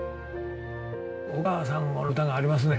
お母さんの歌がありますね。